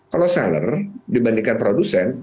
kalau seller dibandingkan produsen